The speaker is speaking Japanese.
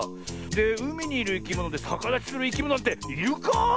うみにいるいきものでさかだちするいきものっているか？